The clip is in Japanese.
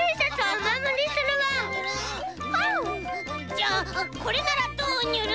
じゃあこれならどうニュル？